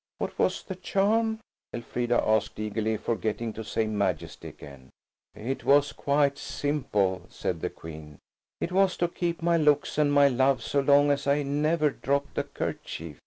"What was the charm?" Elfrida asked eagerly, forgetting to say "Majesty" again. "It was quite simple," said the Queen. "I was to keep my looks and my love so long as I never dropped a kerchief.